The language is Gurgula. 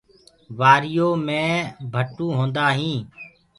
وآريو مي ڀٽو هوندآ هينٚ۔